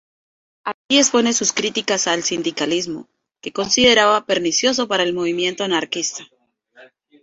Allí expone sus críticas al sindicalismo, que consideraba pernicioso para el movimiento anarquista.